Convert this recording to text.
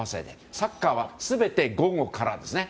サッカーは全て午後からです。